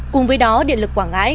cùng với đó điện lực quảng ngãi